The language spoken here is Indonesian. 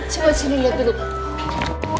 coba sini lihat dulu